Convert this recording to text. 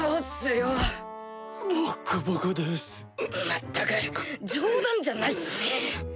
まったく冗談じゃないっすね。